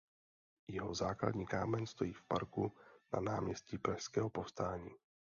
Jeho základní kámen stojí v parku na náměstí Pražského povstání.